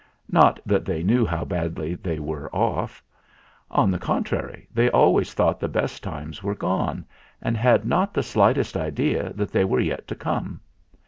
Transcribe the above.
Not that they knew how badly they were off. On the contrary, they always thought the best times were gone, and had not the slightest idea that they were yet to come.